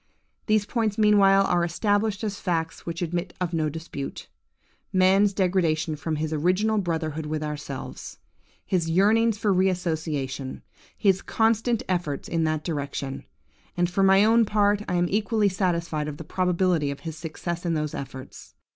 These points meanwhile are established as facts which admit of no dispute:–man's degradation from his original brotherhood with ourselves; his yearnings for re association; his constant efforts in that direction. And for my own part, I am equally satisfied of the probability of his success in those efforts.